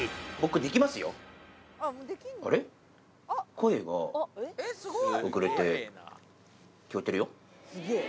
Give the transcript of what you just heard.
声が遅れて聞こえてるよ。